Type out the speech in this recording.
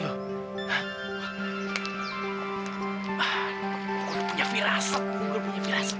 gue udah punya firasat gue udah punya feeling